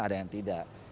ada yang tidak